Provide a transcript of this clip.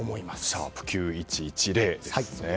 「♯９１１０」ですね。